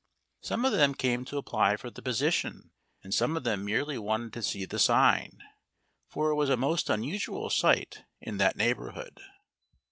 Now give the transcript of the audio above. Some of them came to apply for the position, and some of them merely wanted to see the sign for it was a most unusual sight in that neighborhood.